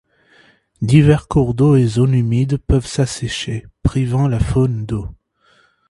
Divers cours d'eau et zones humides peuvent s'assécher, privant la faune d'eau.